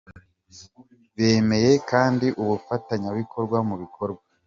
Bemeye kandi ubufatanyabikorwa mu bikorwa.